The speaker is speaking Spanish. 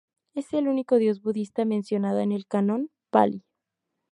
Es el único dios budista mencionada en el "Canon Pali".